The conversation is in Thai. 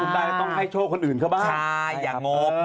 ต้องให้โชคคนอื่นเข้าบ้าง